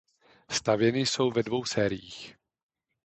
Stavěny jsou ve dvou sériích.